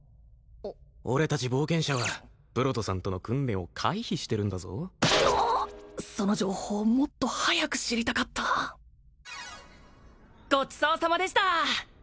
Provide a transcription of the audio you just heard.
俺達冒険者はブロドさんとの訓練を回避してるんだぞその情報もっと早く知りたかったごちそうさまでした！